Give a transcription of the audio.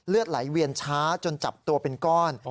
ไหลเวียนช้าจนจับตัวเป็นก้อน